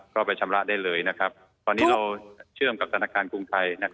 ก็ไปชำระได้เลยตอนนี้เราเชื่อมกับธนาคารกรุงไทย